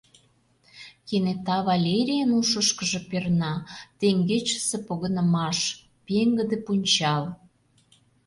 Кенета Валерийын ушышкыжо перна: теҥгечысе погынымаш... пеҥгыде пунчал...